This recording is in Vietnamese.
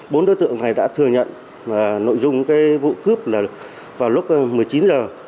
bốn đối tượng này đã thừa nhận nội dung cái vụ cướp là vào lúc một mươi chín giờ